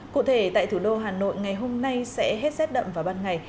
cụ thể tại thủ đô hà nội ngày hôm nay sẽ hết rét đậm vào ban ngày